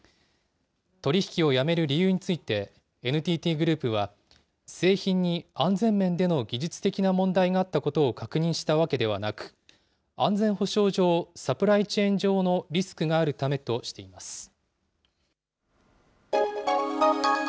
取り引きをやめる理由について、ＮＴＴグループは、製品に安全面での技術的な問題があったことを確認したわけではなく、安全保障上、サプライチェーン上のリスクがあるためとしています。